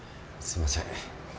すいません。